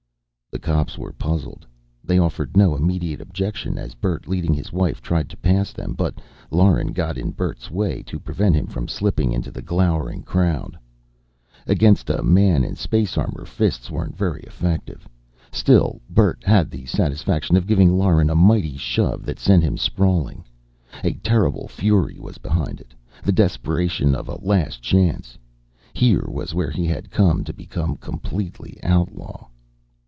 The cops were puzzled. They offered no immediate objection as Bert, leading his wife, tried to pass them. But Lauren got in Bert's way to prevent him from slipping into the glowering crowd. Against a man in space armor, fists weren't very effective; still Bert had the satisfaction of giving Lauren a mighty shove that sent him sprawling. A terrible fury was behind it. The desperation of a last chance. Here was where he had to become completely outlaw.